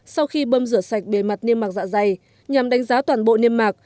sau khi bơm rửa sạch bề mặt niêm mạc dạ dày nhằm đánh giá toàn bộ niêm mạc